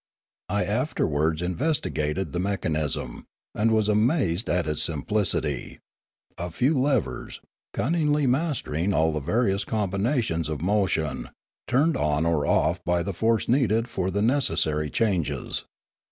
I afterwards investigated the mechan ism, and was amazed at its simplicity; a few levers, cunningly mastering all the various combinations of motion, turned on or off the force needed for the neces sary changes.